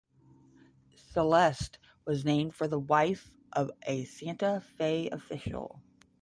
Celeste was named for the wife of a Santa Fe official.